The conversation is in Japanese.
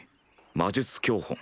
「魔術教本」。